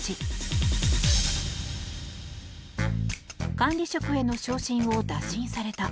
管理職への昇進を打診された。